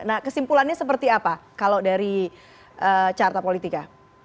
nah kesimpulannya seperti apa kalau dari carta politika